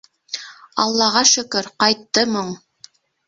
Аллаға шөкөр, ҡайтты моң!